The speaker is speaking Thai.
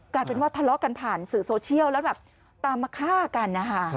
กลายเป็นว่าทะเลาะกันผ่านสื่อโซเชียลแล้วแบบตามมาฆ่ากันนะคะ